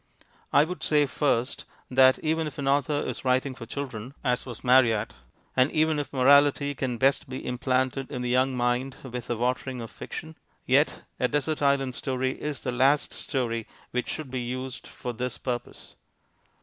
I would say first that, even if an author is writing for children (as was Marryat), and even if morality can best be implanted in the young mind with a watering of fiction, yet a desert island story is the last story which should be used for this purpose.